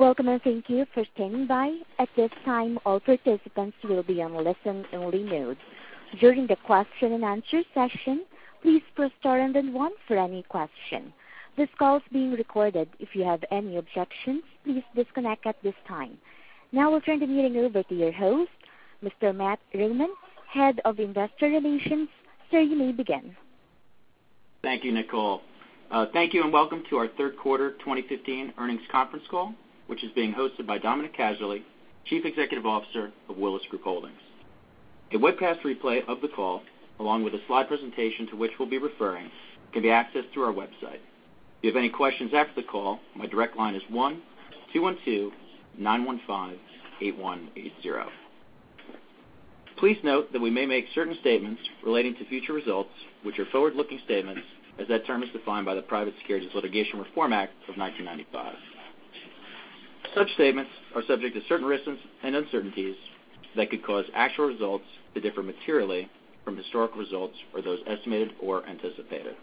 Welcome. Thank you for standing by. At this time, all participants will be on listen only mode. During the question and answer session, please press star and then one for any question. This call is being recorded. If you have any objections, please disconnect at this time. We'll turn the meeting over to your host, Mr. Matt Raymond, Head of Investor Relations. Sir, you may begin. Thank you, Nicole. Thank you. Welcome to our third quarter 2015 earnings conference call, which is being hosted by Dominic Casserley, Chief Executive Officer of Willis Group Holdings. A webcast replay of the call, along with a slide presentation to which we'll be referring, can be accessed through our website. If you have any questions after the call, my direct line is 1-212-915-8180. Please note that we may make certain statements relating to future results, which are forward-looking statements as that term is defined by the Private Securities Litigation Reform Act of 1995. Such statements are subject to certain risks and uncertainties that could cause actual results to differ materially from historical results or those estimated or anticipated.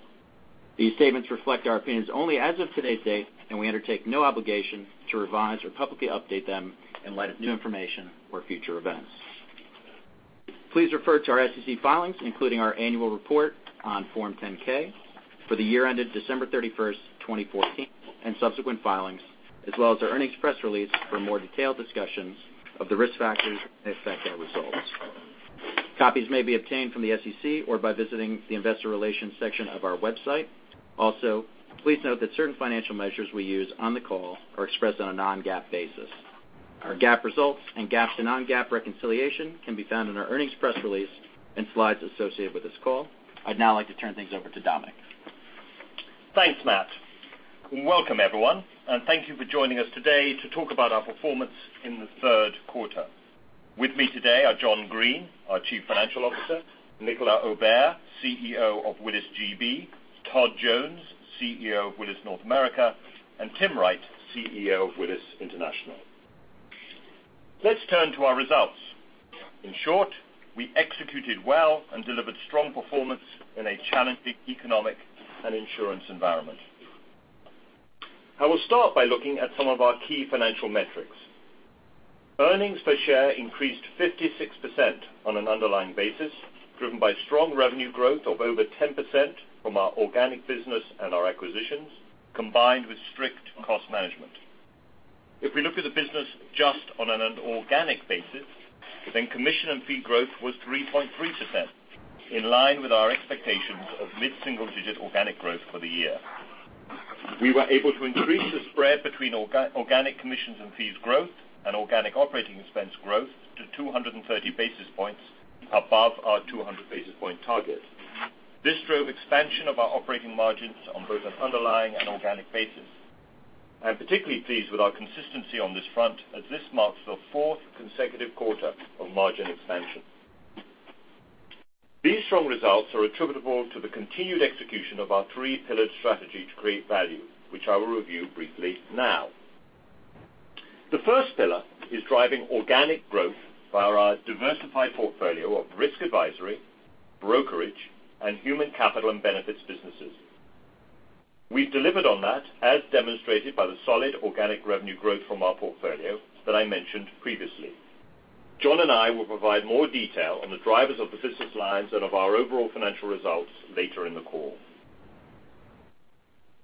These statements reflect our opinions only as of today's date, and we undertake no obligation to revise or publicly update them in light of new information or future events. Please refer to our SEC filings, including our annual report on Form 10-K for the year ended December 31st, 2014, and subsequent filings, as well as our earnings press release for more detailed discussions of the risk factors that affect our results. Copies may be obtained from the SEC or by visiting the investor relations section of our website. Please note that certain financial measures we use on the call are expressed on a non-GAAP basis. Our GAAP results and GAAP to non-GAAP reconciliation can be found in our earnings press release and slides associated with this call. I'd now like to turn things over to Dominic. Thanks, Matt. Welcome everyone. Thank you for joining us today to talk about our performance in the third quarter. With me today are John Greene, our Chief Financial Officer, Nicolas Aubert, CEO of Willis GB, Todd Jones, CEO of Willis North America, and Tim Wright, CEO of Willis International. Let's turn to our results. In short, we executed well and delivered strong performance in a challenging economic and insurance environment. I will start by looking at some of our key financial metrics. Earnings per share increased 56% on an underlying basis, driven by strong revenue growth of over 10% from our organic business and our acquisitions, combined with strict cost management. If we look at the business just on an organic basis, then commission and fee growth was 3.3%, in line with our expectations of mid-single-digit organic growth for the year. We were able to increase the spread between organic commissions and fees growth and organic operating expense growth to 230 basis points above our 200 basis point target. This drove expansion of our operating margins on both an underlying and organic basis. I'm particularly pleased with our consistency on this front, as this marks the fourth consecutive quarter of margin expansion. These strong results are attributable to the continued execution of our three-pillared strategy to create value, which I will review briefly now. The first pillar is driving organic growth via our diversified portfolio of risk advisory, brokerage, and human capital and benefits businesses. We've delivered on that, as demonstrated by the solid organic revenue growth from our portfolio that I mentioned previously. John and I will provide more detail on the drivers of the business lines and of our overall financial results later in the call.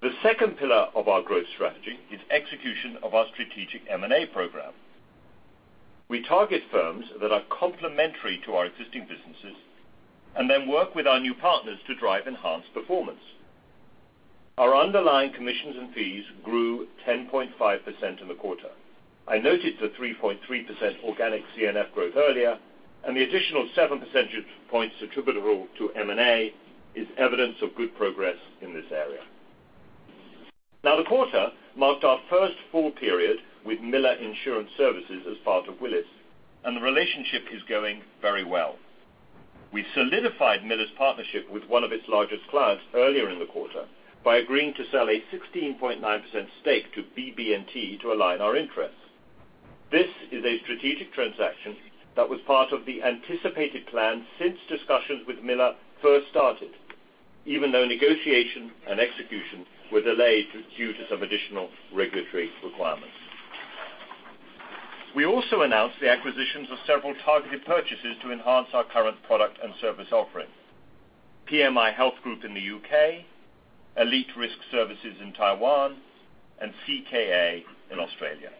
The second pillar of our growth strategy is execution of our strategic M&A program. We target firms that are complementary to our existing businesses and then work with our new partners to drive enhanced performance. Our underlying commissions and fees grew 10.5% in the quarter. I noted the 3.3% organic CNF growth earlier, and the additional seven percentage points attributable to M&A is evidence of good progress in this area. The quarter marked our first full period with Miller Insurance Services as part of Willis, and the relationship is going very well. We solidified Miller's partnership with one of its largest clients earlier in the quarter by agreeing to sell a 16.9% stake to BB&T to align our interests. This is a strategic transaction that was part of the anticipated plan since discussions with Miller first started, even though negotiation and execution were delayed due to some additional regulatory requirements. We also announced the acquisitions of several targeted purchases to enhance our current product and service offerings. PMI Health Group in the U.K., Elite Risk Services in Taiwan, and CKA in Australia.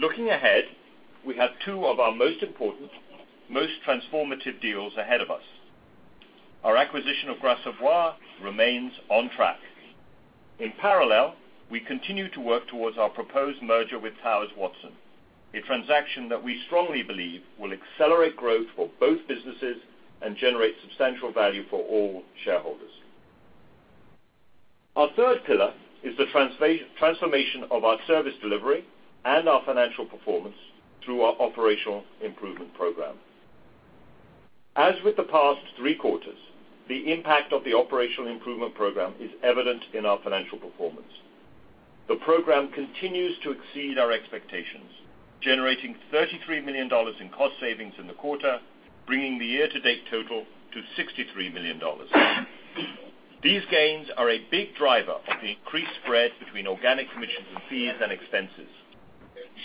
Looking ahead, we have two of our most important, most transformative deals ahead of us. Our acquisition of Gras Savoye remains on track. In parallel, we continue to work towards our proposed merger with Towers Watson, a transaction that we strongly believe will accelerate growth for both businesses and generate substantial value for all shareholders. Our third pillar is the transformation of our service delivery and our financial performance through our operational improvement program. As with the past three quarters, the impact of the operational improvement program is evident in our financial performance. The program continues to exceed our expectations, generating $33 million in cost savings in the quarter, bringing the year-to-date total to $63 million. These gains are a big driver of the increased spread between organic commissions and fees and expenses.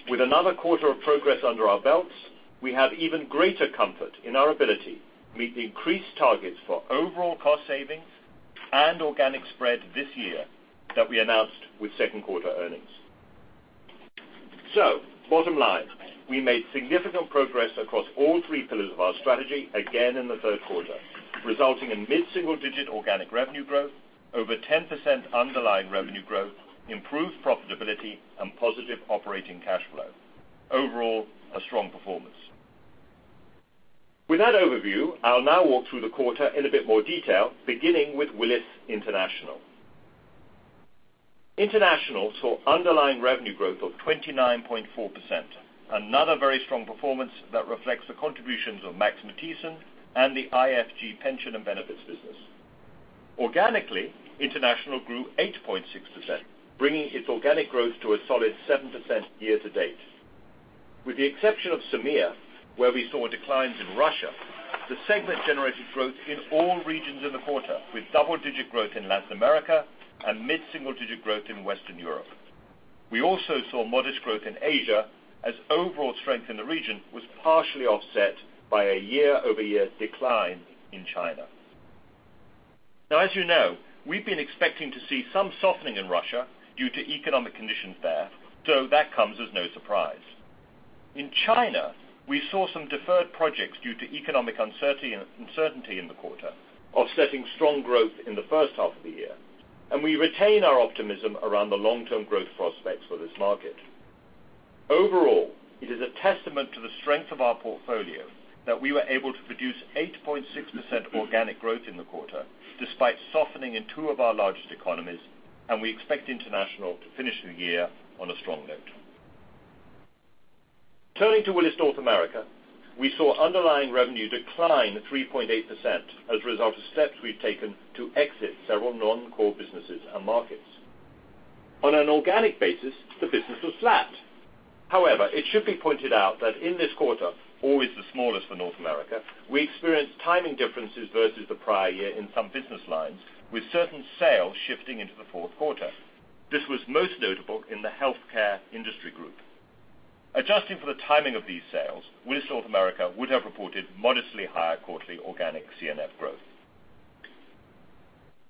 With another quarter of progress under our belts, we have even greater comfort in our ability to meet the increased targets for overall cost savings and organic spread this year that we announced with second quarter earnings. Bottom line, we made significant progress across all three pillars of our strategy again in the third quarter, resulting in mid-single-digit organic revenue growth, over 10% underlying revenue growth, improved profitability, and positive operating cash flow. Overall, a strong performance. With that overview, I'll now walk through the quarter in a bit more detail, beginning with Willis International. International saw underlying revenue growth of 29.4%, another very strong performance that reflects the contributions of Max Matthiessen and the IFG pension and benefits business. Organically, International grew 8.6%, bringing its organic growth to a solid 7% year-to-date. With the exception of SAMIA, where we saw declines in Russia, the segment generated growth in all regions in the quarter, with double-digit growth in Latin America and mid-single-digit growth in Western Europe. We also saw modest growth in Asia, as overall strength in the region was partially offset by a year-over-year decline in China. As you know, we've been expecting to see some softening in Russia due to economic conditions there, so that comes as no surprise. In China, we saw some deferred projects due to economic uncertainty in the quarter, offsetting strong growth in the first half of the year. We retain our optimism around the long-term growth prospects for this market. Overall, it is a testament to the strength of our portfolio that we were able to produce 8.6% organic growth in the quarter despite softening in two of our largest economies. We expect International to finish the year on a strong note. Turning to Willis North America, we saw underlying revenue decline 3.8% as a result of steps we've taken to exit several non-core businesses and markets. On an organic basis, the business was flat. However, it should be pointed out that in this quarter, always the smallest for North America, we experienced timing differences versus the prior year in some business lines, with certain sales shifting into the fourth quarter. This was most notable in the healthcare industry group. Adjusting for the timing of these sales, Willis North America would have reported modestly higher quarterly organic CNF growth.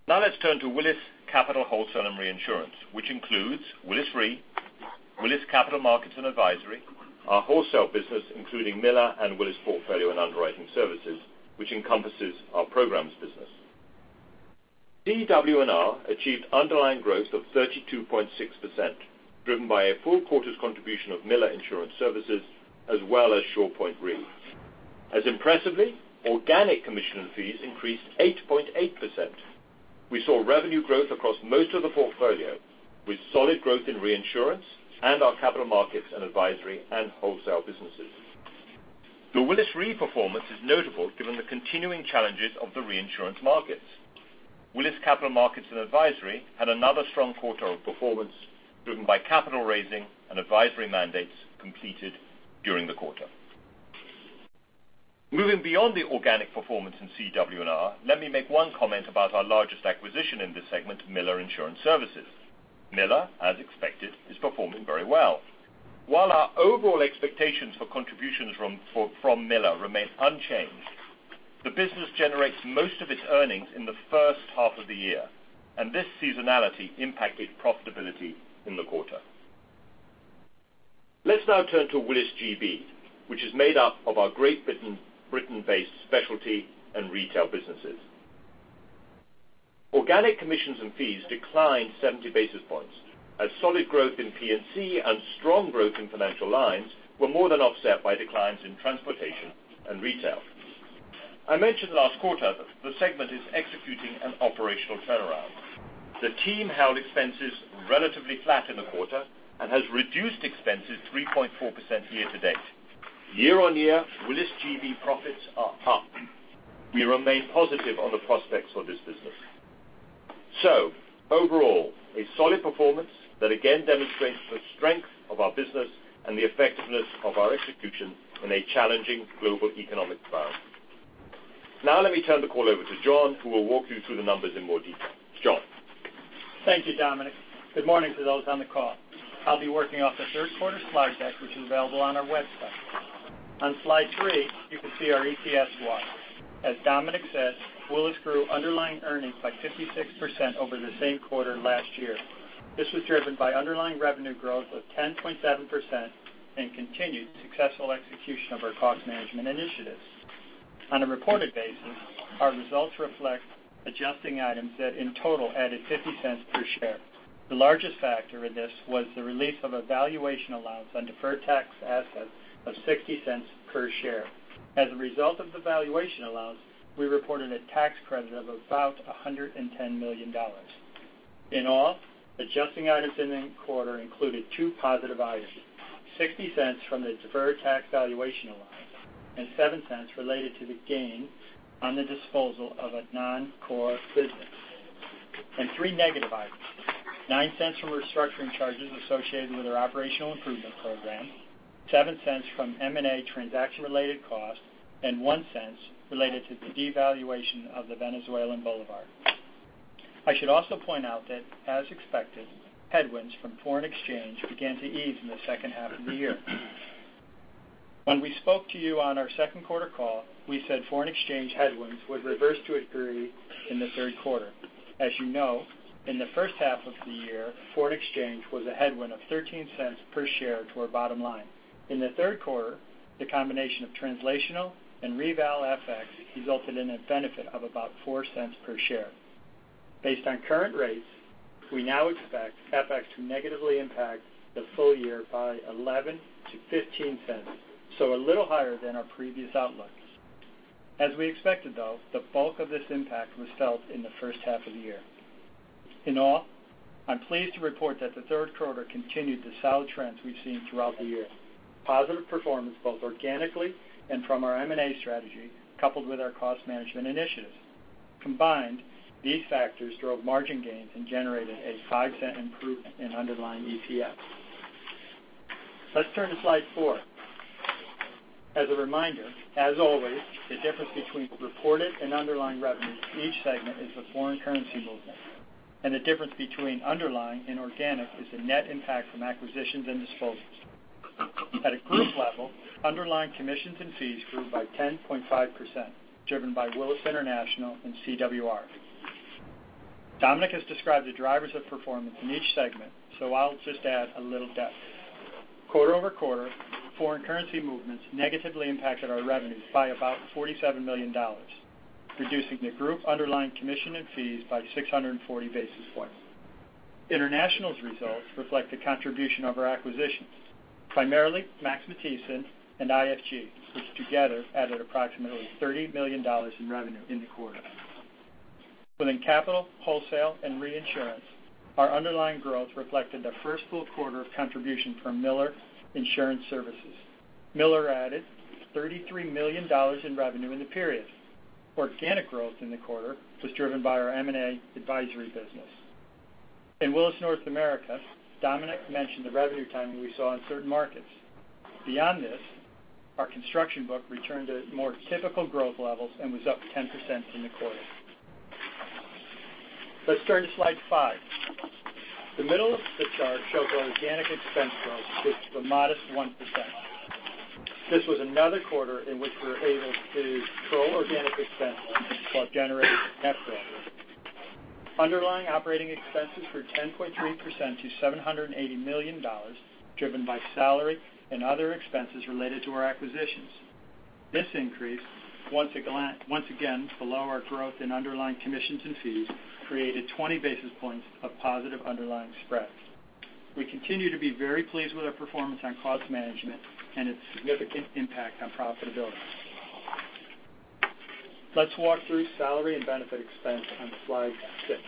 Let's turn to Willis Capital, Wholesale and Reinsurance, which includes Willis Re, Willis Capital Markets & Advisory, our wholesale business, including Miller and Willis Portfolio and Underwriting Services, which encompasses our programs business. CW&R achieved underlying growth of 32.6%, driven by a full quarter's contribution of Miller Insurance Services, as well as SurePoint Re. Impressively, organic commission and fees increased 8.8%. We saw revenue growth across most of the portfolio, with solid growth in reinsurance and our capital markets & advisory and wholesale businesses. The Willis Re performance is notable given the continuing challenges of the reinsurance markets. Willis Capital Markets & Advisory had another strong quarter of performance driven by capital raising and advisory mandates completed during the quarter. Moving beyond the organic performance in CW&R, let me make one comment about our largest acquisition in this segment, Miller Insurance Services. Miller, as expected, is performing very well. While our overall expectations for contributions from Miller remain unchanged, the business generates most of its earnings in the first half of the year. This seasonality impacted profitability in the quarter. Let's now turn to Willis GB, which is made up of our Great Britain-based specialty and retail businesses. Organic commissions and fees declined 70 basis points as solid growth in P&C and strong growth in financial lines were more than offset by declines in transportation and retail. I mentioned last quarter the segment is executing an operational turnaround. The team held expenses relatively flat in the quarter and has reduced expenses 3.4% year-to-date. Year-on-year, Willis GB profits are up. We remain positive on the prospects for this business. Overall, a solid performance that again demonstrates the strength of our business and the effectiveness of our execution in a challenging global economic environment. Now let me turn the call over to John Greene, who will walk you through the numbers in more detail. John Greene? Thank you, Dominic Casserley. Good morning to those on the call. I'll be working off the third quarter slide deck, which is available on our website. On slide three, you can see our EPS walk. As Dominic Casserley said, Willis grew underlying earnings by 56% over the same quarter last year. This was driven by underlying revenue growth of 10.7% and continued successful execution of our cost management initiatives. On a reported basis, our results reflect adjusting items that in total added $0.50 per share. The largest factor in this was the release of a valuation allowance on deferred tax assets of $0.60 per share. As a result of the valuation allowance, we reported a tax credit of about $110 million. In all, adjusting items in the quarter included two positive items, $0.60 from the deferred tax valuation allowance and $0.07 related to the gain on the disposal of a non-core business, and three negative items $0.09 from restructuring charges associated with our operational improvement program, $0.07 from M&A transaction-related costs, and $0.01 related to the devaluation of the Venezuelan bolívar. I should also point out that, as expected, headwinds from foreign exchange began to ease in the second half of the year. When we spoke to you on our second quarter call, we said foreign exchange headwinds would reverse to a degree in the third quarter. As you know, in the first half of the year, foreign exchange was a headwind of $0.13 per share to our bottom line. In the third quarter, the combination of translational and reval FX resulted in a benefit of about $0.04 per share. Based on current rates, we now expect FX to negatively impact the full year by $0.11-$0.15, so a little higher than our previous outlooks. As we expected, though, the bulk of this impact was felt in the first half of the year. In all, I'm pleased to report that the third quarter continued the solid trends we've seen throughout the year. Positive performance both organically and from our M&A strategy, coupled with our cost management initiatives. Combined, these factors drove margin gains and generated a $0.05 improvement in underlying EPS. Let's turn to slide four. As a reminder, as always, the difference between reported and underlying revenue in each segment is the foreign currency movement, and the difference between underlying and organic is the net impact from acquisitions and disposals. At a group level, underlying commissions and fees grew by 10.5%, driven by Willis International and CWR. Dominic has described the drivers of performance in each segment. I'll just add a little depth. Quarter-over-quarter, foreign currency movements negatively impacted our revenues by about $47 million, reducing the group underlying commission and fees by 640 basis points. Willis International's results reflect the contribution of our acquisitions, primarily Max Matthiessen and IFG, which together added approximately $30 million in revenue in the quarter. Within Capital, Wholesale, and Reinsurance, our underlying growth reflected the first full quarter of contribution from Miller Insurance Services. Miller added $33 million in revenue in the period. Organic growth in the quarter was driven by our M&A advisory business. In Willis North America, Dominic mentioned the revenue timing we saw in certain markets. Beyond this, our construction book returned to more typical growth levels and was up 10% in the quarter. Let's turn to slide five. The middle of the chart shows our organic expense growth, which was a modest 1%. This was another quarter in which we were able to control organic expense growth while generating net growth. Underlying operating expenses for 10.3% to $780 million, driven by salary and other expenses related to our acquisitions. This increase, once again, below our growth in underlying commissions and fees, created 20 basis points of positive underlying spread. We continue to be very pleased with our performance on cost management and its significant impact on profitability. Let's walk through salary and benefit expense on slide six.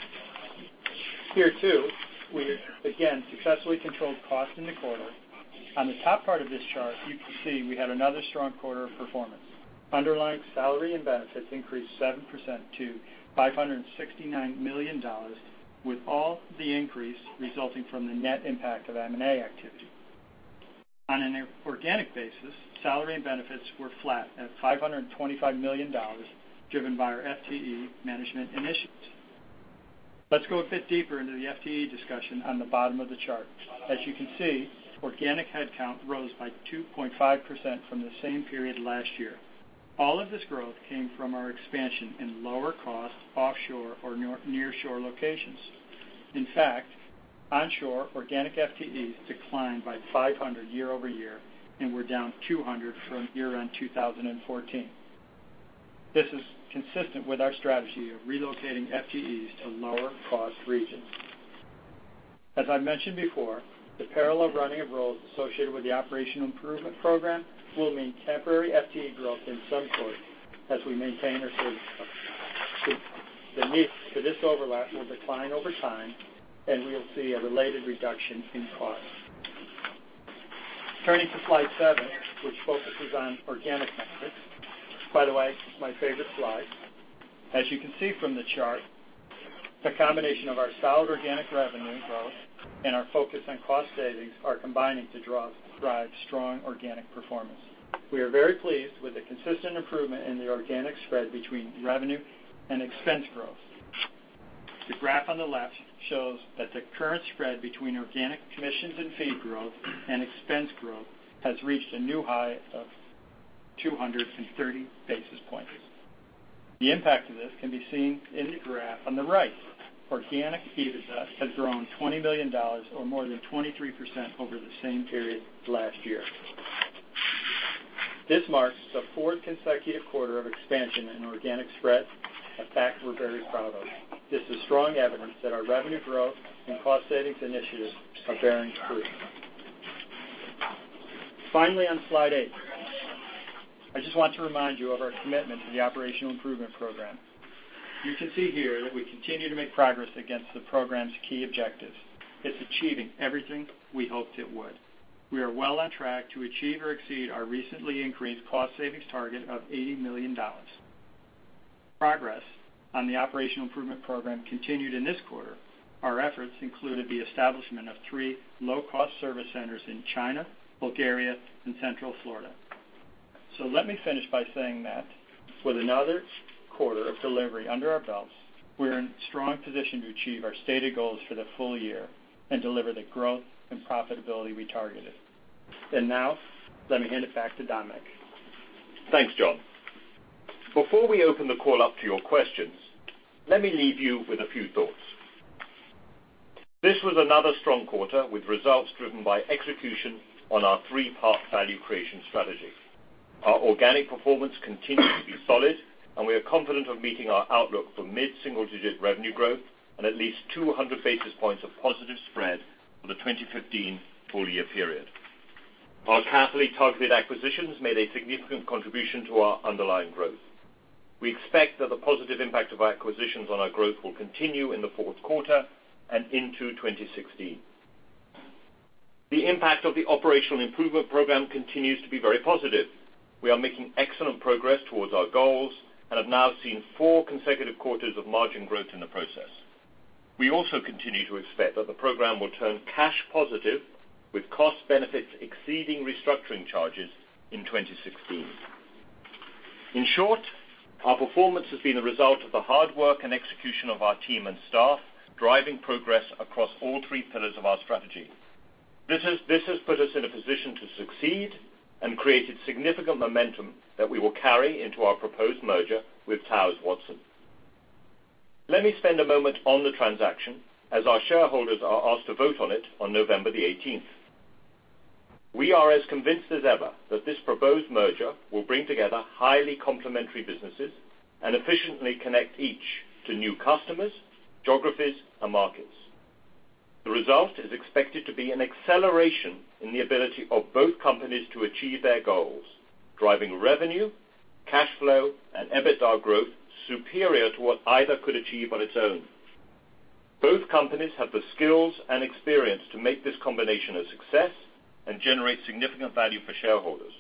Here, too, we again successfully controlled cost in the quarter. On the top part of this chart, you can see we had another strong quarter of performance. Underlying salary and benefits increased 7% to $569 million, with all the increase resulting from the net impact of M&A activity. On an organic basis, salary and benefits were flat at $525 million, driven by our FTE management initiatives. Let's go a bit deeper into the FTE discussion on the bottom of the chart. As you can see, organic headcount rose by 2.5% from the same period last year. All of this growth came from our expansion in lower cost offshore or nearshore locations. In fact, onshore organic FTEs declined by 500 year-over-year and were down 200 from year-end 2014. This is consistent with our strategy of relocating FTEs to lower cost regions. As I mentioned before, the parallel running of roles associated with the operational improvement program will mean temporary FTE growth in some sorts as we maintain our service. The need for this overlap will decline over time. We will see a related reduction in costs. Turning to slide seven, which focuses on organic metrics. By the way, my favorite slide. As you can see from the chart, the combination of our solid organic revenue growth and our focus on cost savings are combining to drive strong organic performance. We are very pleased with the consistent improvement in the organic spread between revenue and expense growth. The graph on the left shows that the current spread between organic commissions and fee growth and expense growth has reached a new high of 230 basis points. The impact of this can be seen in the graph on the right. Organic EBITDA has grown $20 million or more than 23% over the same period last year. This marks the fourth consecutive quarter of expansion in organic spread, a fact we're very proud of. This is strong evidence that our revenue growth and cost savings initiatives are bearing fruit. Finally, on slide eight, I just want to remind you of our commitment to the operational improvement program. You can see here that we continue to make progress against the program's key objectives. It's achieving everything we hoped it would. We are well on track to achieve or exceed our recently increased cost savings target of $80 million. Progress on the operational improvement program continued in this quarter. Our efforts included the establishment of three low-cost service centers in China, Bulgaria, and Central Florida. Let me finish by saying that with another quarter of delivery under our belts, we are in a strong position to achieve our stated goals for the full year and deliver the growth and profitability we targeted. Now let me hand it back to Dominic. Thanks, John. Before we open the call up to your questions, let me leave you with a few thoughts. This was another strong quarter with results driven by execution on our three-part value creation strategy. Our organic performance continued to be solid, and we are confident of meeting our outlook for mid-single-digit revenue growth and at least 200 basis points of positive spread for the 2015 full-year period. Our carefully targeted acquisitions made a significant contribution to our underlying growth. We expect that the positive impact of our acquisitions on our growth will continue in the fourth quarter and into 2016. The impact of the operational improvement program continues to be very positive. We are making excellent progress towards our goals and have now seen four consecutive quarters of margin growth in the process. We also continue to expect that the program will turn cash positive with cost benefits exceeding restructuring charges in 2016. In short, our performance has been a result of the hard work and execution of our team and staff, driving progress across all three pillars of our strategy. This has put us in a position to succeed and created significant momentum that we will carry into our proposed merger with Towers Watson. Let me spend a moment on the transaction, as our shareholders are asked to vote on it on November the 18th. We are as convinced as ever that this proposed merger will bring together highly complementary businesses and efficiently connect each to new customers, geographies, and markets. The result is expected to be an acceleration in the ability of both companies to achieve their goals, driving revenue, cash flow, and EBITDA growth superior to what either could achieve on its own. Both companies have the skills and experience to make this combination a success and generate significant value for shareholders.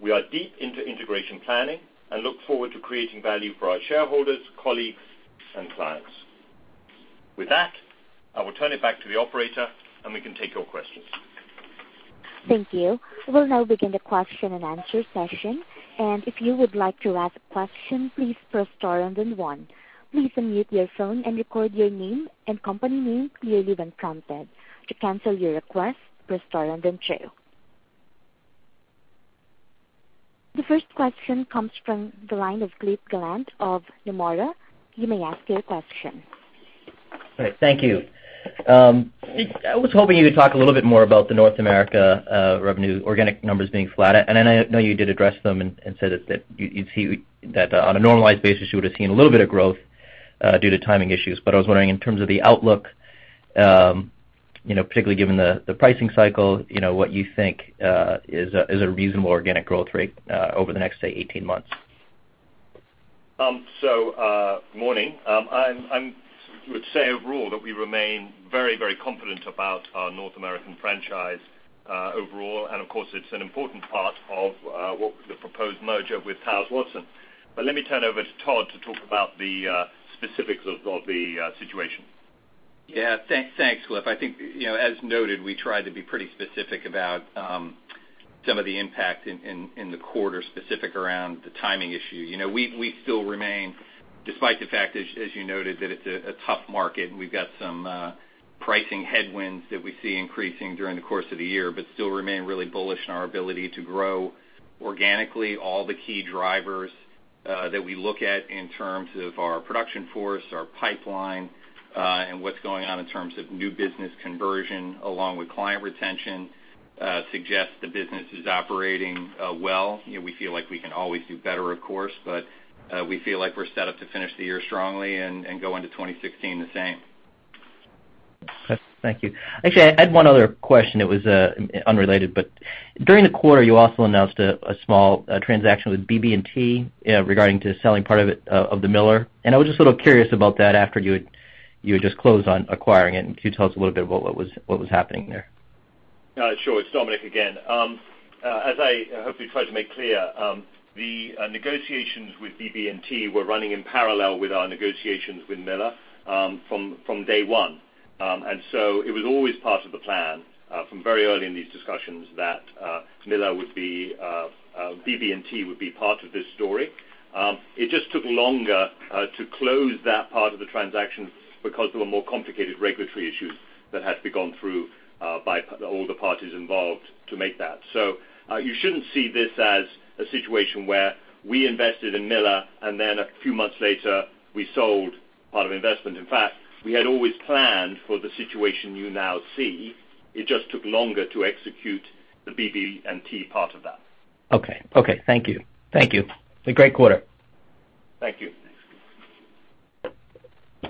We are deep into integration planning and look forward to creating value for our shareholders, colleagues, and clients. With that, I will turn it back to the operator, and we can take your questions. Thank you. We'll now begin the question-and-answer session. If you would like to ask a question, please press star and then one. Please unmute your phone and record your name and company name clearly when prompted. To cancel your request, press star and then two. The first question comes from the line of Cliff Gallant of Nomura. You may ask your question. All right. Thank you. I was hoping you could talk a little bit more about the North America revenue organic numbers being flat. I know you did address them and said that on a normalized basis, you would've seen a little bit of growth due to timing issues. I was wondering, in terms of the outlook, particularly given the pricing cycle, what you think is a reasonable organic growth rate over the next, say, 18 months. Morning. I would say overall that we remain very, very confident about our North American franchise overall, and of course, it's an important part of the proposed merger with Towers Watson. Let me turn over to Todd to talk about the specifics of the situation. Yeah. Thanks, Cliff. I think, as noted, we tried to be pretty specific about some of the impact in the quarter specific around the timing issue. We still remain, despite the fact, as you noted, that it's a tough market, and we've got some pricing headwinds that we see increasing during the course of the year, but still remain really bullish in our ability to grow organically. All the key drivers that we look at in terms of our production force, our pipeline, and what's going on in terms of new business conversion along with client retention suggests the business is operating well. We feel like we can always do better of course, but we feel like we're set up to finish the year strongly and go into 2016 the same. Thank you. Actually, I had one other question. It was unrelated, but during the quarter, you also announced a small transaction with BB&T regarding to selling part of the Miller. I was just a little curious about that after you had just closed on acquiring it. Could you tell us a little bit about what was happening there? Sure. It's Dominic again. As I hopefully tried to make clear, the negotiations with BB&T were running in parallel with our negotiations with Miller from day one. It was always part of the plan from very early in these discussions that BB&T would be part of this story. It just took longer to close that part of the transaction because there were more complicated regulatory issues that had to be gone through by all the parties involved to make that. You shouldn't see this as a situation where we invested in Miller and then a few months later we sold part of investment. In fact, we had always planned for the situation you now see. It just took longer to execute the BB&T part of that. Okay. Thank you. A great quarter. Thank you.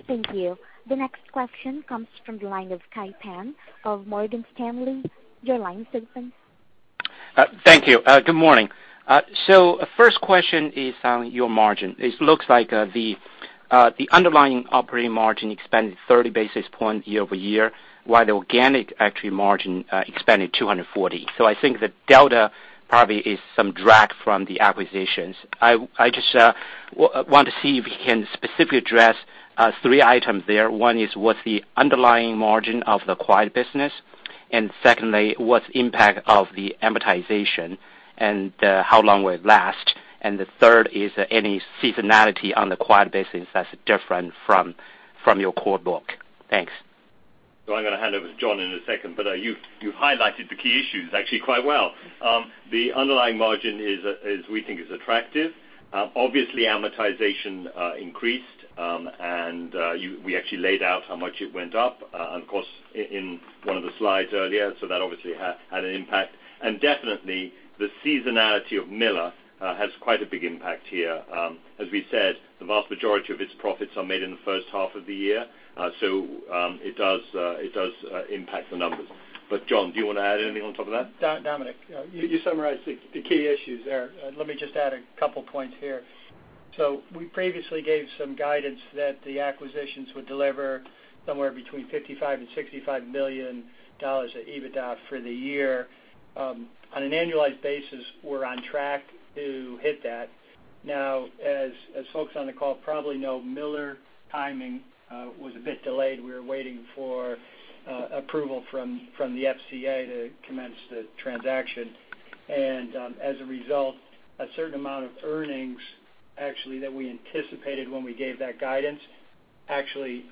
Thank you. The next question comes from the line of Kai Pan of Morgan Stanley. Your line is open. Thank you. Good morning. First question is on your margin. It looks like the underlying operating margin expanded 30 basis points year-over-year, while the organic actually margin expanded 240. I think the delta probably is some drag from the acquisitions. I just want to see if you can specifically address three items there. One is what's the underlying margin of the acquired business? Secondly, what's impact of the amortization and how long will it last? And the third, is there any seasonality on the acquired business that's different from your core book? Thanks. I'm going to hand over to John in a second, but you highlighted the key issues actually quite well. The underlying margin is, we think is attractive. Obviously, amortization increased, and we actually laid out how much it went up, of course, in one of the slides earlier. That obviously had an impact. Definitely the seasonality of Miller has quite a big impact here. As we said, the vast majority of its profits are made in the first half of the year. It does impact the numbers. John, do you want to add anything on top of that? Dominic, you summarized the key issues there. Let me just add a couple points here. We previously gave some guidance that the acquisitions would deliver somewhere between $55 million and $65 million of EBITDA for the year. On an annualized basis, we are on track to hit that. Now, as folks on the call probably know, Miller timing was a bit delayed. We were waiting for approval from the FCA to commence the transaction. As a result, a certain amount of earnings actually that we anticipated when we gave that guidance, actually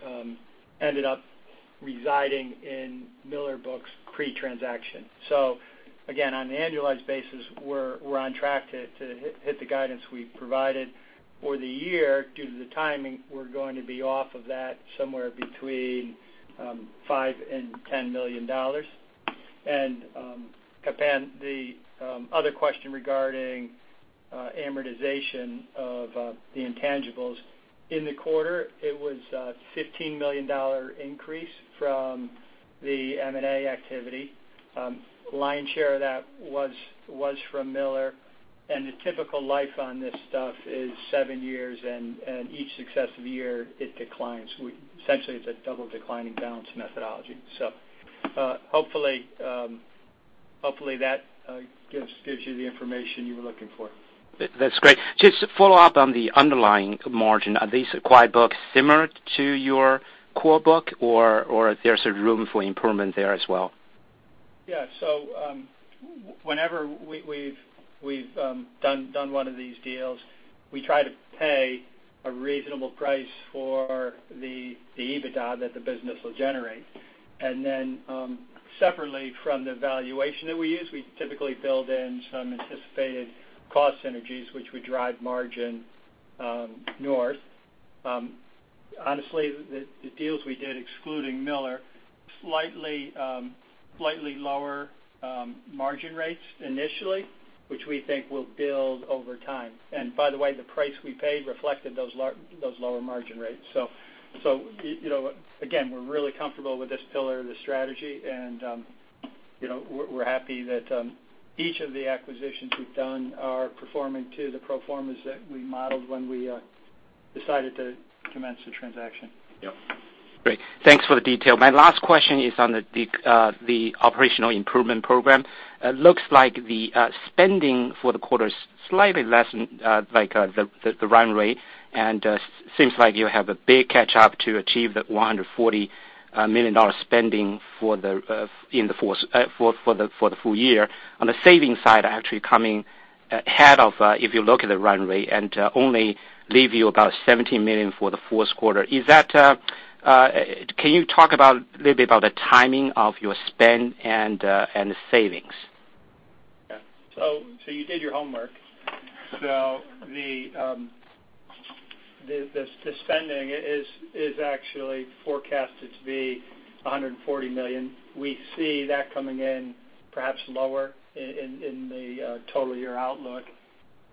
ended up residing in Miller books pre-transaction. Again, on an annualized basis, we are on track to hit the guidance we provided for the year. Due to the timing, we are going to be off of that somewhere between $5 million and $10 million. Kai Pan, the other question regarding amortization of the intangibles. In the quarter, it was a $15 million increase from the M&A activity. Lion's share of that was from Miller, and the typical life on this stuff is seven years, and each successive year it declines. Essentially, it is a double declining balance methodology. Hopefully, that gives you the information you were looking for. That is great. Just to follow up on the underlying margin, are these acquired books similar to your core book, or there is room for improvement there as well? Yeah. Whenever we have done one of these deals, we try to pay a reasonable price for the EBITDA that the business will generate. Separately from the valuation that we use, we typically build in some anticipated cost synergies, which would drive margin north. Honestly, the deals we did excluding Miller, slightly lower margin rates initially, which we think will build over time. By the way, the price we paid reflected those lower margin rates. Again, we are really comfortable with this pillar of the strategy. We are happy that each of the acquisitions we have done are performing to the pro formas that we modeled when we decided to commence the transaction. Yep. Great. Thanks for the detail. My last question is on the operational improvement program. It looks like the spending for the quarter is slightly less than the run rate, and seems like you have a big catch-up to achieve that $140 million spending for the full year. On the savings side, actually coming ahead of, if you look at the run rate, and only leave you about $17 million for the fourth quarter. Can you talk a little bit about the timing of your spend and the savings? Yeah. You did your homework. The spending is actually forecasted to be $140 million. We see that coming in perhaps lower in the total year outlook.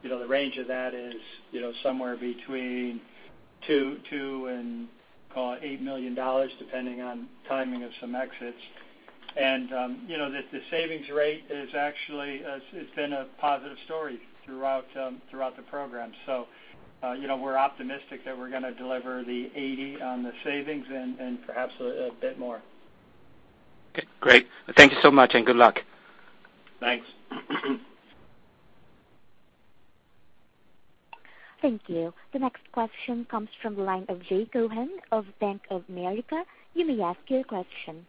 The range of that is somewhere between two and call it $8 million, depending on timing of some exits. The savings rate it's been a positive story throughout the program. We're optimistic that we're going to deliver the 80 on the savings and perhaps a bit more. Okay, great. Thank you so much and good luck. Thanks. Thank you. The next question comes from the line of Jay Cohen of Bank of America. You may ask your question.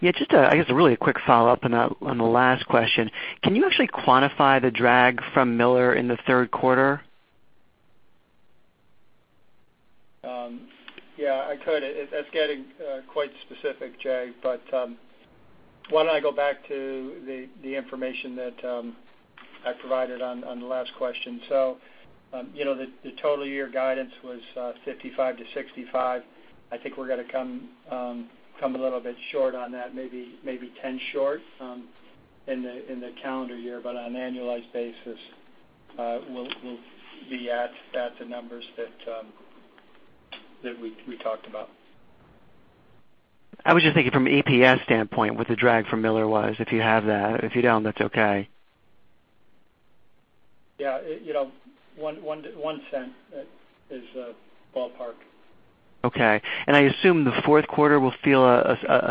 Yeah, just I guess a really quick follow-up on the last question. Can you actually quantify the drag from Miller in the third quarter? Yeah, I could. That's getting quite specific, Jay Cohen. Why don't I go back to the information that I provided on the last question. The total year guidance was 55-65. I think we're going to come a little bit short on that, maybe 10 short, in the calendar year. On an annualized basis, we'll be at the numbers that we talked about. I was just thinking from an EPS standpoint, what the drag from Miller was, if you have that. If you don't, that's okay. Yeah. $0.01 is a ballpark. Okay. I assume the fourth quarter will feel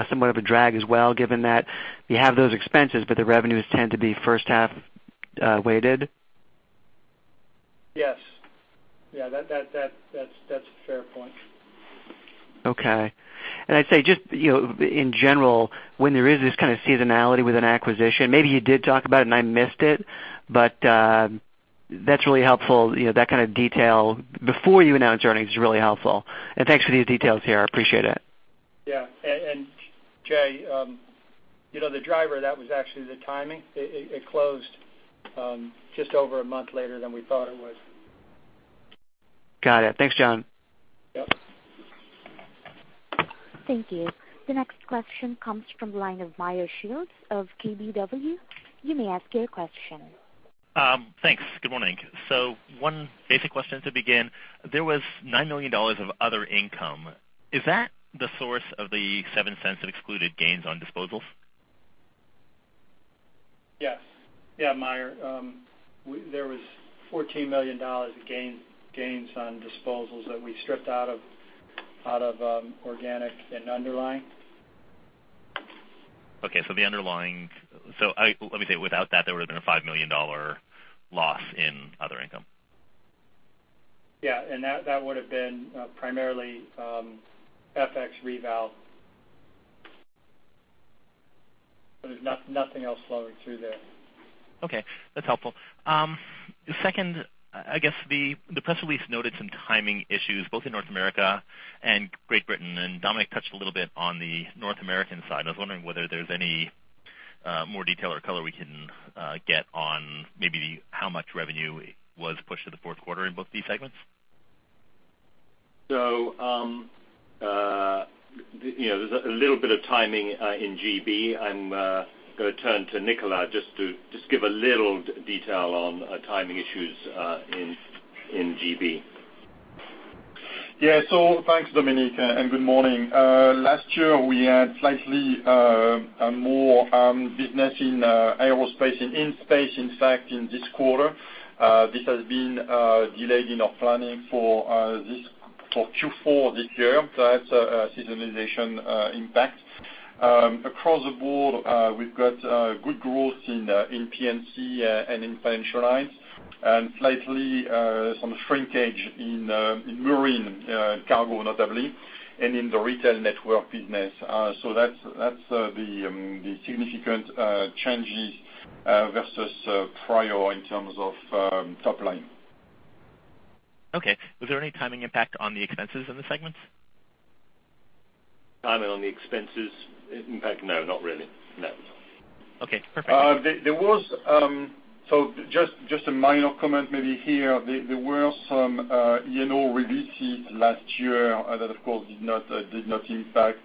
somewhat of a drag as well, given that you have those expenses, but the revenues tend to be first half weighted. Yes. That's a fair point. Okay. I'd say just in general, when there is this kind of seasonality with an acquisition, maybe you did talk about it and I missed it, but that's really helpful. That kind of detail before you announce earnings is really helpful. Thanks for the details here. I appreciate it. Yeah. Jay, the driver of that was actually the timing. It closed just over a month later than we thought it would. Got it. Thanks, John. Yep. Thank you. The next question comes from the line of Meyer Shields of KBW. You may ask your question. Thanks. Good morning. One basic question to begin. There was $9 million of other income. Is that the source of the $0.07 of excluded gains on disposals? Yes. Meyer, there was $14 million of gains on disposals that we stripped out of organic and underlying. Okay. Let me say, without that, there would've been a $5 million loss in other income. Yeah, that would've been primarily FX reval. There's nothing else flowing through there. Okay. That's helpful. Second, I guess the press release noted some timing issues both in North America and Great Britain, Dominic touched a little bit on the North American side. I was wondering whether there's any more detail or color we can get on maybe how much revenue was pushed to the fourth quarter in both these segments. There's a little bit of timing in GB. I'm going to turn to Nicolas just to give a little detail on timing issues in GB. Yeah. Thanks, Dominic, and good morning. Last year, we had slightly more business in aerospace and in space. In fact, in this quarter, this has been delayed in our planning for Q4 this year. That's a seasonal impact. Across the board, we've got good growth in P&C and in financial lines, and slightly some shrinkage in marine cargo notably, and in the retail network business. That's the significant changes versus prior in terms of top line. Okay. Was there any timing impact on the expenses in the segments? Timing on the expenses impact? No, not really. No. Okay, perfect. Just a minor comment maybe here. There were some E&O releases last year that, of course, did not impact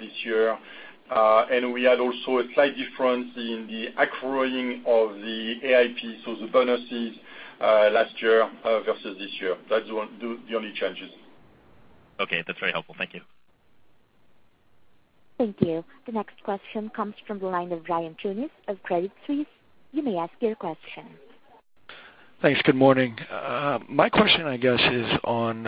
this year. We had also a slight difference in the accruing of the AIP, so the bonuses, last year versus this year. That's the only changes. Okay, that's very helpful. Thank you. Thank you. The next question comes from the line of Ryan Tunis of Credit Suisse. You may ask your question. Thanks. Good morning. My question, I guess, is on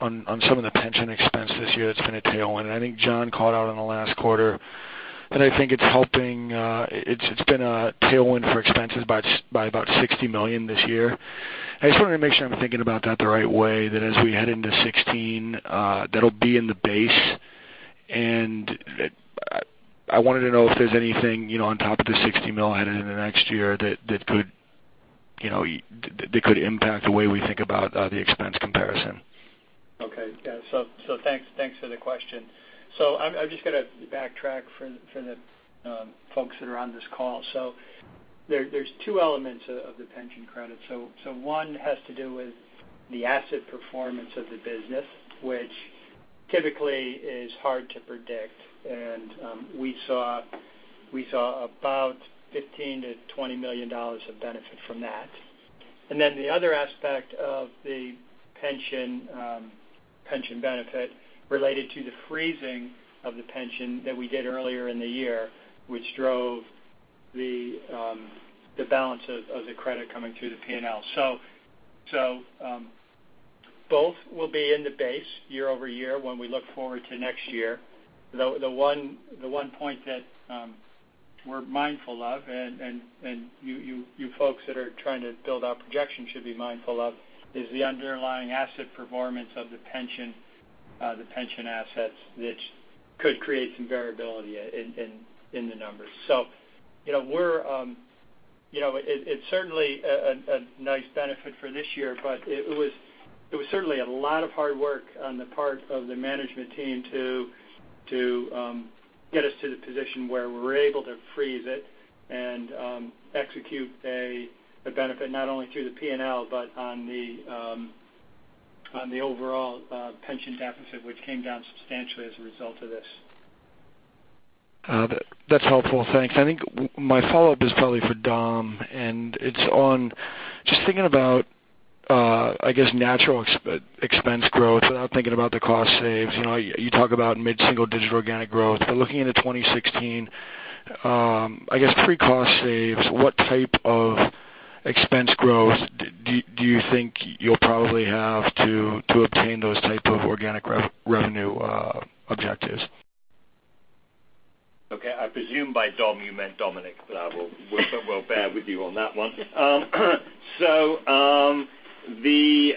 some of the pension expense this year that's been a tailwind. I think John called out on the last quarter, I think it's been a tailwind for expenses by about $60 million this year. I just wanted to make sure I'm thinking about that the right way, that as we head into 2016, that'll be in the base. I wanted to know if there's anything on top of the $60 million headed into the next year that could impact the way we think about the expense comparison. Okay. Yeah. Thanks for the question. I'm just going to backtrack for the folks that are on this call. There's two elements of the pension credit. One has to do with the asset performance of the business, which typically is hard to predict. We saw about $15 million to $20 million of benefit from that. The other aspect of the pension benefit related to the freezing of the pension that we did earlier in the year, which drove the balance of the credit coming through the P&L. Both will be in the base year-over-year when we look forward to next year. The one point that we're mindful of, and you folks that are trying to build our projection should be mindful of, is the underlying asset performance of the pension assets, which could create some variability in the numbers. It's certainly a nice benefit for this year, but it was certainly a lot of hard work on the part of the management team to get us to the position where we're able to freeze it and execute a benefit not only through the P&L, but on the overall pension deficit, which came down substantially as a result of this. That's helpful. Thanks. I think my follow-up is probably for Dom, and it's on just thinking about natural expense growth without thinking about the cost saves. You talk about mid-single-digit organic growth. Looking into 2016, pre-cost saves, what type of expense growth do you think you'll probably have to obtain those type of organic revenue objectives? Okay. I presume by Dom you meant Dominic, but we'll bear with you on that one. The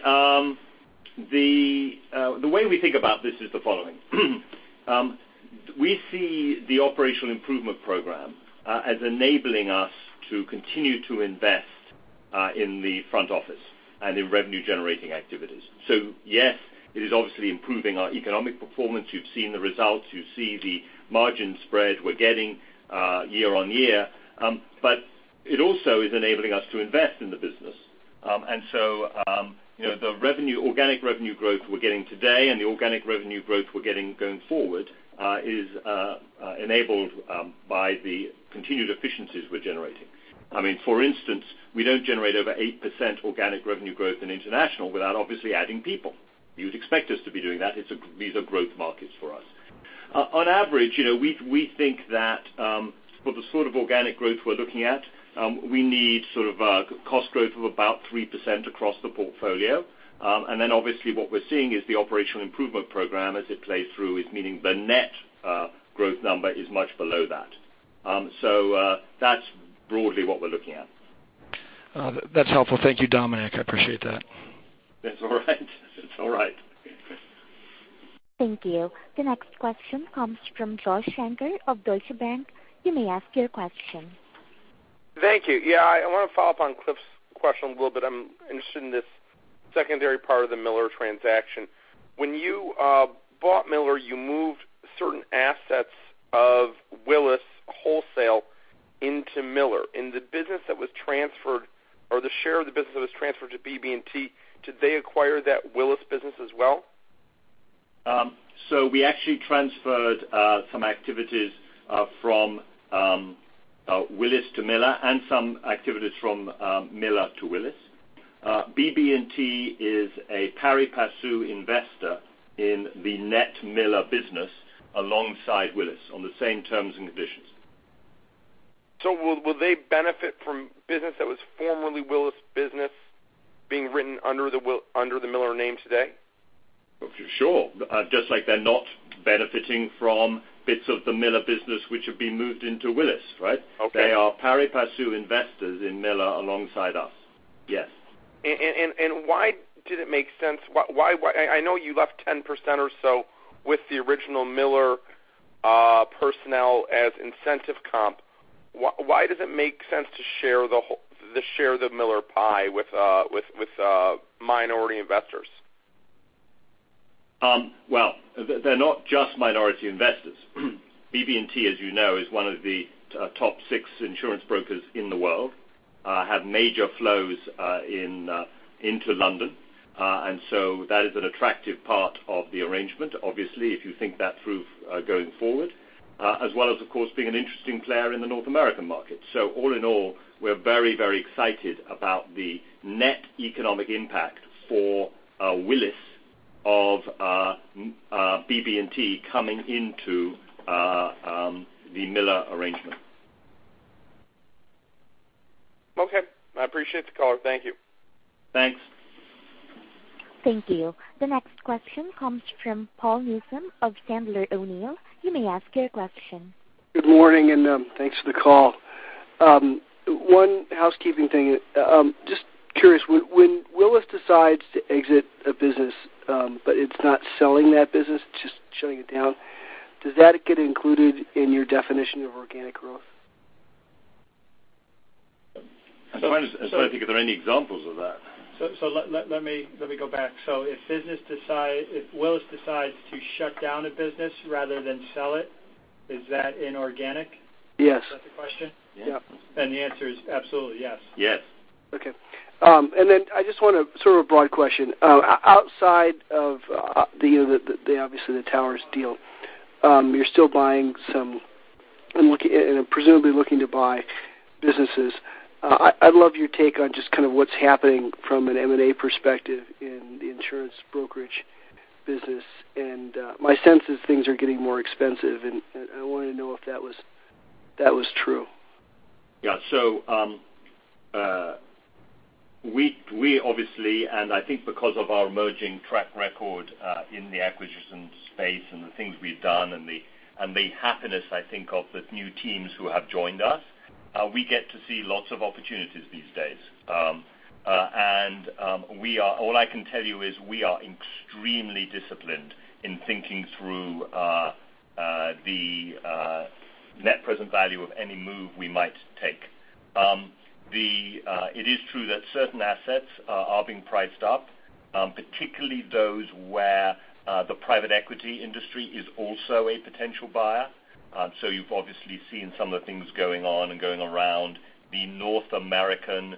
way we think about this is the following. We see the operational improvement program as enabling us to continue to invest in the front office and in revenue-generating activities. Yes, it is obviously improving our economic performance. You've seen the results. You see the margin spread we're getting year-on-year. It also is enabling us to invest in the business. The organic revenue growth we're getting today and the organic revenue growth we're getting going forward is enabled by the continued efficiencies we're generating. For instance, we don't generate over 8% organic revenue growth in international without obviously adding people. You would expect us to be doing that. These are growth markets for us. On average, we think that for the sort of organic growth we're looking at, we need cost growth of about 3% across the portfolio. Obviously what we're seeing is the operational improvement program as it plays through, is meaning the net growth number is much below that. That's broadly what we're looking at. That's helpful. Thank you, Dominic. I appreciate that. That's all right. Thank you. The next question comes from Joshua Shanker of Deutsche Bank. You may ask your question. Thank you. Yeah, I want to follow up on Cliff's question a little bit. I'm interested in this secondary part of the Miller transaction. When you bought Miller, you moved certain assets of Willis wholesale into Miller. In the business that was transferred, or the share of the business that was transferred to BB&T, did they acquire that Willis business as well? We actually transferred some activities from Willis to Miller and some activities from Miller to Willis. BB&T is a pari passu investor in the net Miller business alongside Willis on the same terms and conditions. Will they benefit from business that was formerly Willis business being written under the Miller name today? For sure. Just like they're not benefiting from bits of the Miller business, which have been moved into Willis, right? Okay. They are pari passu investors in Miller alongside us. Yes. Why did it make sense? I know you left 10% or so with the original Miller personnel as incentive comp. Why does it make sense to share the Miller pie with minority investors? Well, they're not just minority investors. BB&T, as you know, is one of the top six insurance brokers in the world, have major flows into London. That is an attractive part of the arrangement, obviously, if you think that through going forward, as well as, of course, being an interesting player in the North American market. All in all, we're very excited about the net economic impact for Willis of BB&T coming into the Miller arrangement. Okay. I appreciate the call. Thank you. Thanks. Thank you. The next question comes from Paul Newsome of Sandler O'Neill. You may ask your question. Good morning, and thanks for the call. One housekeeping thing. Just curious, when Willis decides to exit a business, but it's not selling that business, just shutting it down, does that get included in your definition of organic growth? I'm trying to think if there are any examples of that. Let me go back. If Willis decides to shut down a business rather than sell it, is that inorganic? Yes. Is that the question? Yep. The answer is absolutely, yes. Yes. Okay. I just want to, sort of a broad question. Outside of obviously the Towers deal, you're still buying some and presumably looking to buy businesses. I'd love your take on just kind of what's happening from an M&A perspective in the insurance brokerage business. My sense is things are getting more expensive, and I want to know if that was true. Yeah. We obviously, I think because of our emerging track record in the acquisition space and the things we've done and the happiness, I think of the new teams who have joined us, we get to see lots of opportunities these days. All I can tell you is we are extremely disciplined in thinking through the net present value of any move we might take. It is true that certain assets are being priced up particularly those where the private equity industry is also a potential buyer. You've obviously seen some of the things going on and going around the North American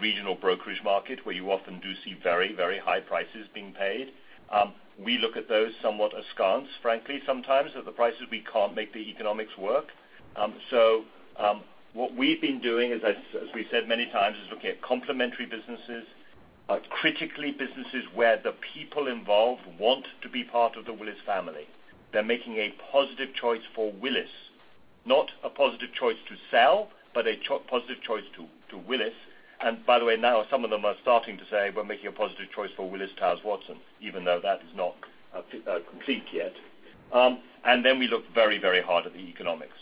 regional brokerage market, where you often do see very high prices being paid. We look at those somewhat askance, frankly, sometimes. At the prices, we can't make the economics work. What we've been doing is, as we said many times, is looking at complementary businesses, critically businesses where the people involved want to be part of the Willis family. They're making a positive choice for Willis, not a positive choice to sell, but a positive choice to Willis. By the way, now some of them are starting to say, we're making a positive choice for Willis Towers Watson, even though that is not complete yet. Then we look very hard at the economics.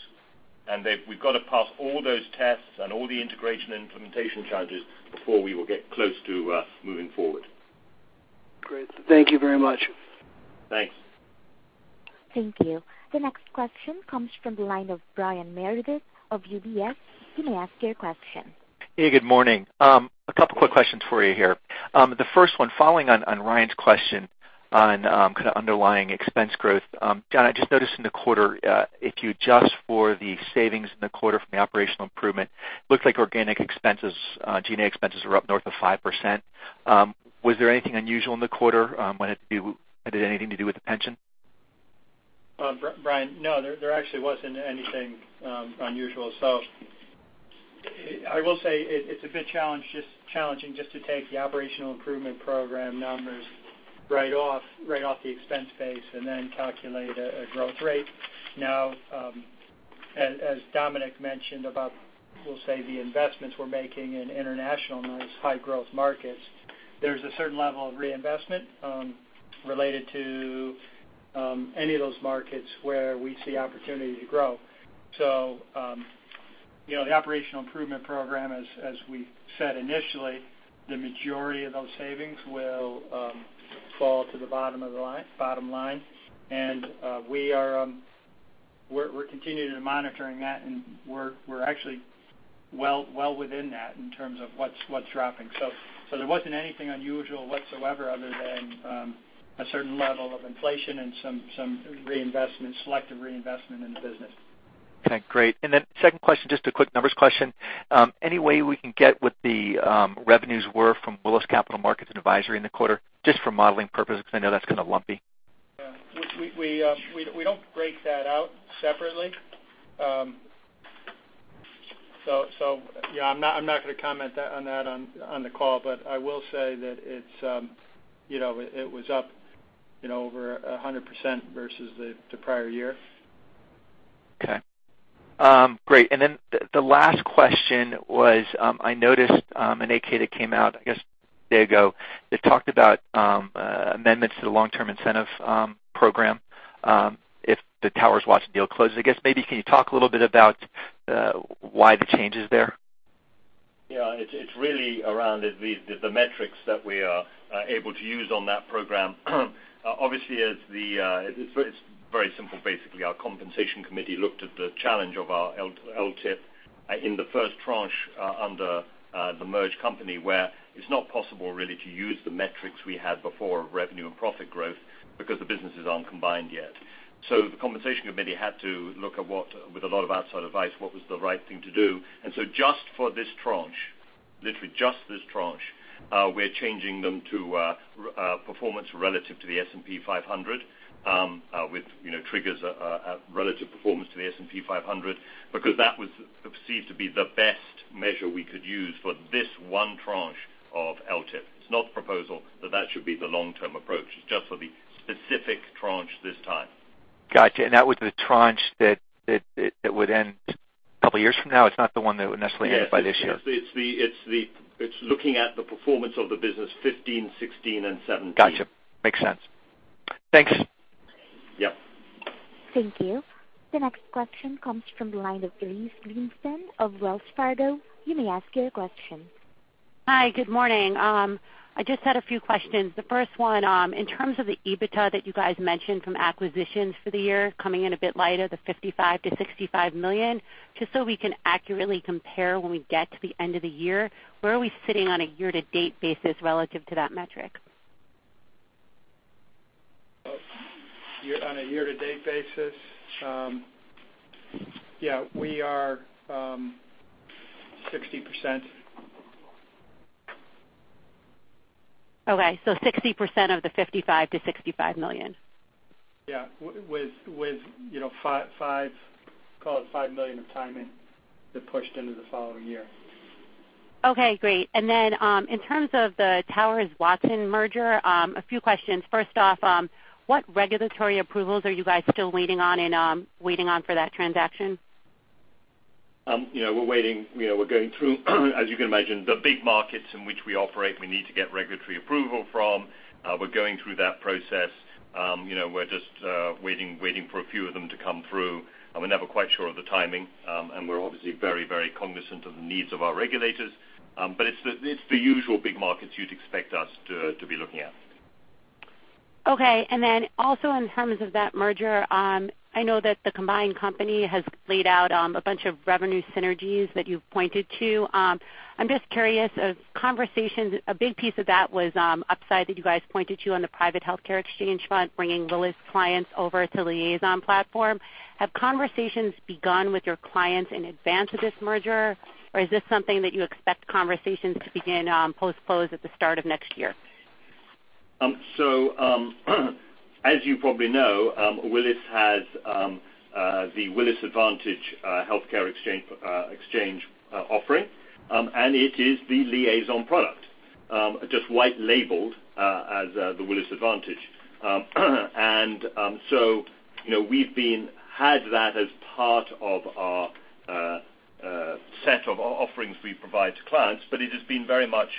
We've got to pass all those tests and all the integration and implementation challenges before we will get close to moving forward. Great. Thank you very much. Thanks. Thank you. The next question comes from the line of Brian Meredith of UBS. You may ask your question. Hey, good morning. A couple quick questions for you here. The first one, following on Ryan's question on kind of underlying expense growth. John, I just noticed in the quarter, if you adjust for the savings in the quarter from the operational improvement, looks like organic expenses, G&A expenses are up north of 5%. Was there anything unusual in the quarter? Had anything to do with the pension? Brian, no, there actually wasn't anything unusual. I will say it's a bit challenging just to take the operational improvement program numbers right off the expense base and then calculate a growth rate. As Dominic mentioned about, we'll say, the investments we're making in international and those high growth markets, there's a certain level of reinvestment related to any of those markets where we see opportunity to grow. The operational improvement program, as we said initially, the majority of those savings will fall to the bottom line. We're continuing to monitoring that, and we're actually well within that in terms of what's dropping. There wasn't anything unusual whatsoever other than a certain level of inflation and some selective reinvestment in the business. Okay, great. Second question, just a quick numbers question. Any way we can get what the revenues were from Willis Capital Markets & Advisory in the quarter, just for modeling purpose, because I know that's kind of lumpy. We don't break that out separately. I'm not going to comment on that on the call, but I will say that it was up over 100% versus the prior year. Okay, great. The last question was, I noticed an 8-K that came out, I guess, a day ago, that talked about amendments to the Long-Term Incentive Program if the Towers Watson deal closes. I guess maybe can you talk a little bit about why the change is there? It's really around the metrics that we are able to use on that program. Obviously, it's very simple. Basically, our compensation committee looked at the challenge of our LTIP in the first tranche under the merged company, where it's not possible really to use the metrics we had before of revenue and profit growth because the businesses aren't combined yet. The compensation committee had to look at what, with a lot of outside advice, what was the right thing to do. Just for this tranche, literally just this tranche, we're changing them to performance relative to the S&P 500 with triggers relative performance to the S&P 500 because that was perceived to be the best measure we could use for this one tranche of LTIP. It's not the proposal that that should be the long-term approach. It's just for the specific tranche this time. Got you. That was the tranche that would end a couple years from now? It's not the one that would necessarily end by this year. Yes. It's looking at the performance of the business 2015, 2016, and 2017. Got you. Makes sense. Thanks. Yep. Thank you. The next question comes from the line of Lee Livingston of Wells Fargo. You may ask your question. Hi. Good morning. I just had a few questions. The first one, in terms of the EBITDA that you guys mentioned from acquisitions for the year coming in a bit lighter, the $55 million-$65 million, just so we can accurately compare when we get to the end of the year, where are we sitting on a year-to-date basis relative to that metric? On a year-to-date basis? Yeah, we are 60%. Okay. 60% of the $55 million-$65 million. Yeah. With, call it, $5 million of timing that pushed into the following year. Okay, great. Then, in terms of the Towers Watson merger, a few questions. First off, what regulatory approvals are you guys still waiting on for that transaction? We're going through, as you can imagine, the big markets in which we operate, we need to get regulatory approval from. We're going through that process. We're just waiting for a few of them to come through, and we're never quite sure of the timing. We're obviously very cognizant of the needs of our regulators. It's the usual big markets you'd expect us to be looking at. Okay. Then also in terms of that merger, I know that the combined company has laid out a bunch of revenue synergies that you've pointed to. I'm just curious, a big piece of that was upside that you guys pointed to on the private healthcare exchange front, bringing Willis clients over to Liaison platform. Have conversations begun with your clients in advance of this merger? Or is this something that you expect conversations to begin post-close at the start of next year? As you probably know, Willis has the Willis Advantage healthcare exchange offering, and it is the Liaison product, just white labeled as the Willis Advantage. We've had that as part of our set of offerings we provide to clients, but it has been very much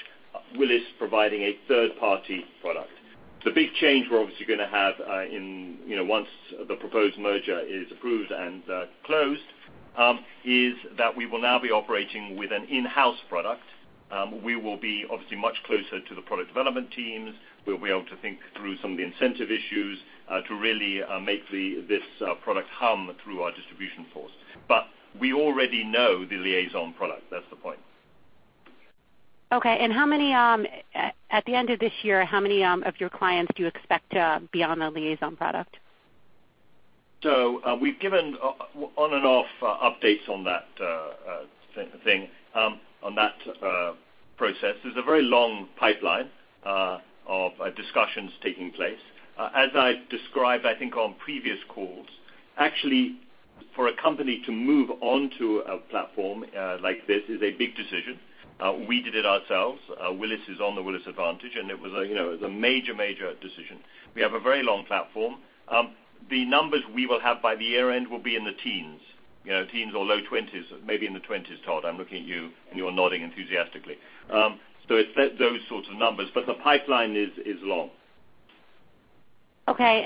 Willis providing a third-party product. The big change we're obviously going to have once the proposed merger is approved and closed, is that we will now be operating with an in-house product. We will be obviously much closer to the product development teams. We'll be able to think through some of the incentive issues to really make this product hum through our distribution force. We already know the Liaison product. That's the point. Okay. At the end of this year, how many of your clients do you expect to be on the Liaison product? We've given on-and-off updates on that thing, on that process. There's a very long pipeline of discussions taking place. As I've described, I think, on previous calls, actually, for a company to move onto a platform like this is a big decision. We did it ourselves. Willis is on the Willis Advantage, and it was a major decision. We have a very long platform. The numbers we will have by the year-end will be in the teens, or low 20s, maybe in the 20s, Todd, I'm looking at you and you're nodding enthusiastically. It's those sorts of numbers, the pipeline is long. Okay,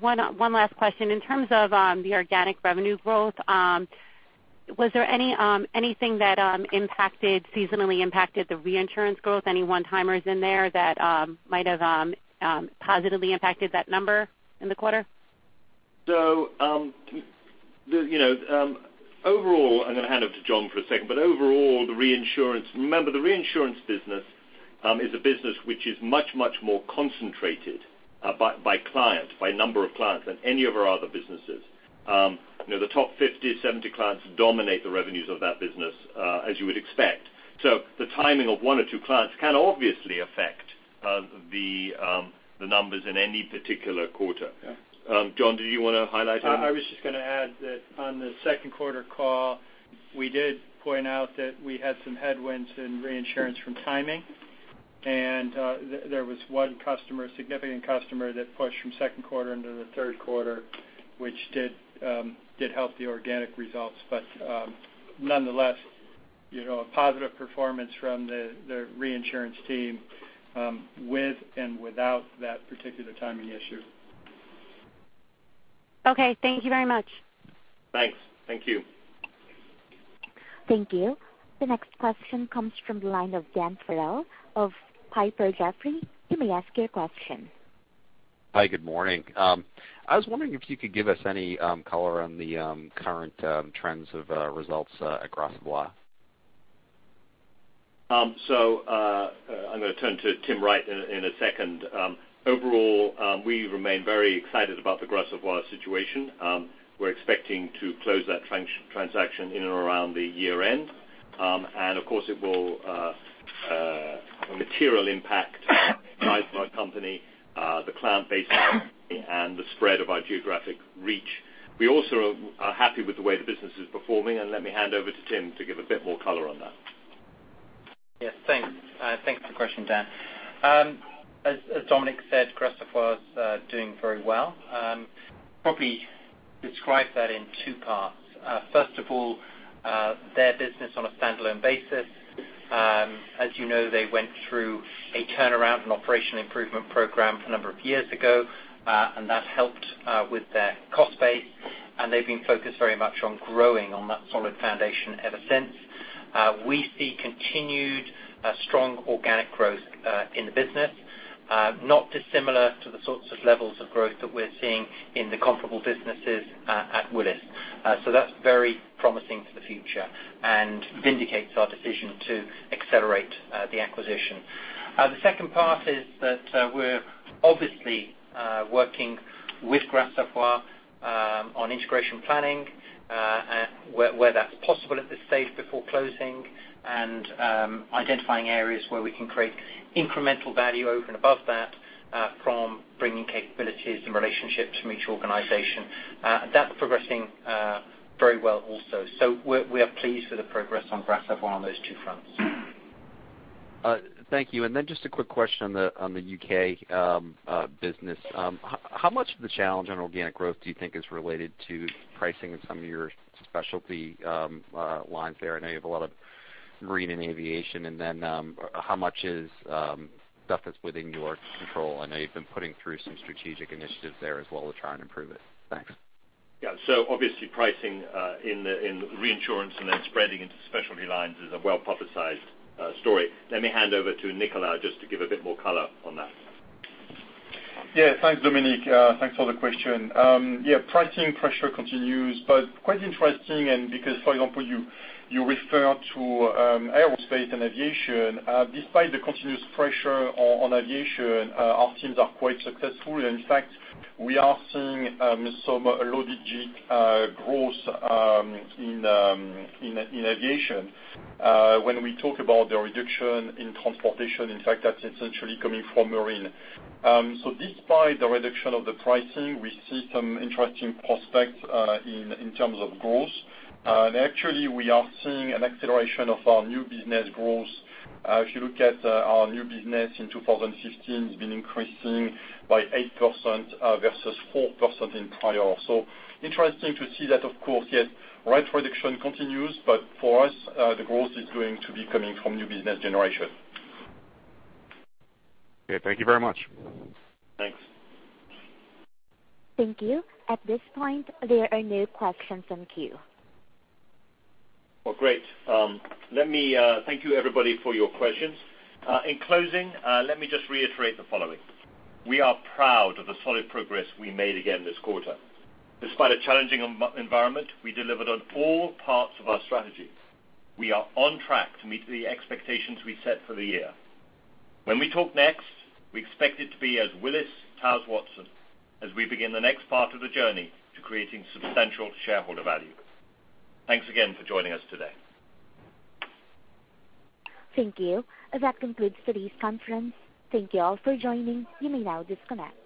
one last question. In terms of the organic revenue growth, was there anything that seasonally impacted the reinsurance growth? Any one-timers in there that might have positively impacted that number in the quarter? I'm going to hand over to John for a second, overall, remember, the reinsurance business is a business which is much, much more concentrated by number of clients than any of our other businesses. The top 50, 70 clients dominate the revenues of that business, as you would expect. The timing of one or two clients can obviously affect the numbers in any particular quarter. Yeah. John, did you want to highlight anything? I was just going to add that on the second quarter call, we did point out that we had some headwinds in reinsurance from timing, and there was one significant customer that pushed from second quarter into the third quarter, which did help the organic results. Nonetheless, a positive performance from the reinsurance team, with and without that particular timing issue. Okay. Thank you very much. Thanks. Thank you. Thank you. The next question comes from the line of Daniel Farrell of Piper Jaffray. You may ask your question. Hi, good morning. I was wondering if you could give us any color on the current trends of results at Gras Savoye. I'm going to turn to Tim Wright in a second. Overall, we remain very excited about the Gras Savoye situation. We're expecting to close that transaction in and around the year-end. Of course, it will material impact the size of our company, the client base, and the spread of our geographic reach. We also are happy with the way the business is performing, and let me hand over to Tim to give a bit more color on that. Yes, thanks. Thanks for the question, Dan. As Dominic said, Gras Savoye is doing very well. Probably describe that in two parts. First of all, their business on a standalone basis. As you know, they went through a turnaround, an operational improvement program a number of years ago, and that helped with their cost base, and they've been focused very much on growing on that solid foundation ever since. We see continued strong organic growth in the business, not dissimilar to the sorts of levels of growth that we're seeing in the comparable businesses at Willis. That's very promising for the future and vindicates our decision to accelerate the acquisition. The second part is that we're obviously working with Gras Savoye on integration planning, where that's possible at this stage before closing, and identifying areas where we can create incremental value over and above that from bringing capabilities and relationships from each organization. That's progressing very well also. We are pleased with the progress on Gras Savoye on those two fronts. Thank you. Just a quick question on the U.K. business. How much of the challenge on organic growth do you think is related to pricing in some of your specialty lines there? I know you have a lot of marine and aviation. How much is stuff that's within your control? I know you've been putting through some strategic initiatives there as well to try and improve it. Thanks. Yeah. Obviously pricing in reinsurance and then spreading into specialty lines is a well-publicized story. Let me hand over to Nicolas just to give a bit more color on that. Yeah. Thanks, Dominic. Thanks for the question. Yeah, pricing pressure continues, but quite interesting and because, for example, you referred to aerospace and aviation. Despite the continuous pressure on aviation, our teams are quite successful. In fact, we are seeing some organic growth in aviation. When we talk about the reduction in transportation, in fact, that's essentially coming from marine. Despite the reduction of the pricing, we see some interesting prospects in terms of growth. Actually, we are seeing an acceleration of our new business growth. If you look at our new business in 2015, it's been increasing by 8% versus 4% in prior. Interesting to see that, of course, yet rate reduction continues, but for us, the growth is going to be coming from new business generation. Okay. Thank you very much. Thanks. Thank you. At this point, there are no questions in queue. Well, great. Thank you everybody for your questions. In closing, let me just reiterate the following. We are proud of the solid progress we made again this quarter. Despite a challenging environment, we delivered on all parts of our strategy. We are on track to meet the expectations we set for the year. When we talk next, we expect it to be as Willis Towers Watson, as we begin the next part of the journey to creating substantial shareholder value. Thanks again for joining us today. Thank you. That concludes today's conference. Thank you all for joining. You may now disconnect.